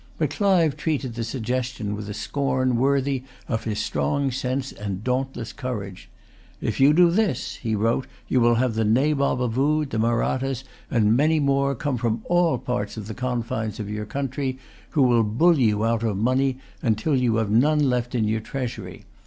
But Clive treated the suggestion with a scorn worthy of his strong sense and dauntless courage. "If you do this," he wrote, "you will have the Nabob of Oude, the Mahrattas, and many more, come from all parts of the confines of your country, who will bully you out of money till you have none left in your treasury.